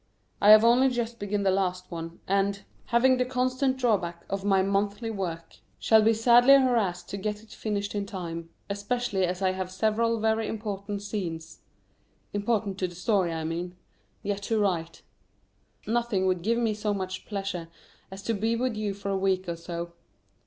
I have only just begun the last one, and, having the constant drawback of my monthly work, shall be sadly harassed to get it finished in time, especially as I have several very important scenes (important to the story I mean) yet to write. Nothing would give me so much pleasure as to be with you for a week or so.